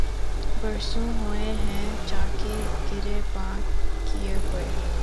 برسوں ہوئے ہیں چاکِ گریباں کئے ہوئے